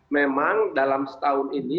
memang dalam setahun ini